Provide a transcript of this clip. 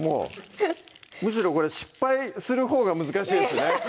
むしろこれ失敗するほうが難しいですね